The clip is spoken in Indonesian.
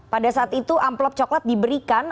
pada saat itu amplop coklat diberikan